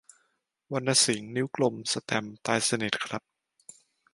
วรรณสิงห์ นิ้วกลม สแตมป์ ตายสนิทครับ